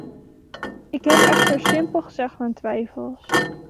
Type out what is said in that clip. Ik heb echter simpel gezegd mijn twijfels.